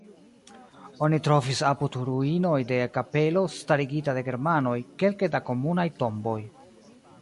Oni trovis apud ruinoj de kapelo starigita de germanoj kelke da komunaj tomboj.